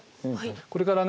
これからね